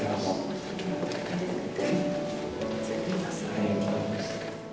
ありがとうございます。